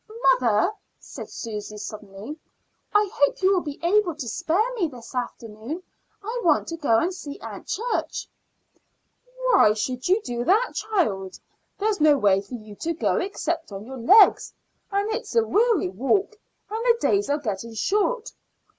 "Mother," said Susy suddenly, "I hope you will be able to spare me this afternoon. I want to go and see Aunt Church." "Why should you do that, child? There's no way for you to go except on your legs, and it's a weary walk, and the days are getting short."